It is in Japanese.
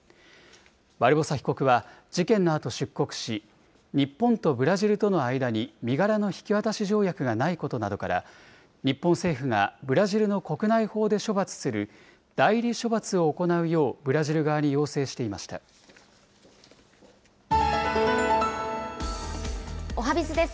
バルボサ被告は事件のあと出国し、日本とブラジルとの間に身柄の引き渡し条約がないことなどから、日本政府が、ブラジルの国内法で処罰する代理処罰を行うよう、ブラジル側に要おはＢｉｚです。